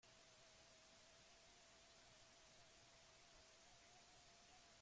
Zein paper du teknologiak harreman honetan?